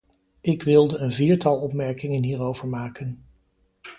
Ik wilde een viertal opmerkingen hierover maken.